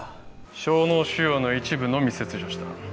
小脳腫瘍の一部のみ切除した